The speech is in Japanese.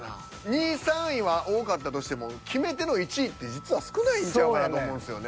２位３位は多かったとしても決め手の１位って実は少ないんちゃうかなと思うんですよね。